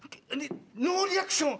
ノーリアクション。